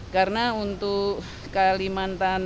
karena untuk kalimantan